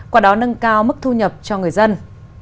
qua đó nâng cao mức thu nhập cho người dân